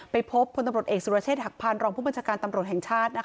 ไปพบพลตำรวจเอกสุรเชษฐหักพานรองผู้บัญชาการตำรวจแห่งชาติ